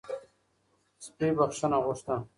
سپي بښنه غوښته